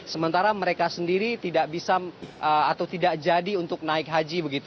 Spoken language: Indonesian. sementara mereka sendiri tidak bisa atau tidak jadi untuk naik haji begitu